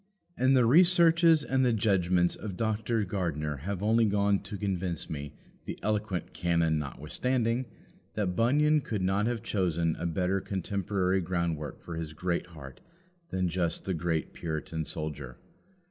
And the researches and the judgments of Dr. Gardiner have only gone to convince me, the eloquent canon notwithstanding, that Bunyan could not have chosen a better contemporary groundwork for his Greatheart than just the great Puritan soldier.